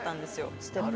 ステップ。